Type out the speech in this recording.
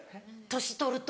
年取ると。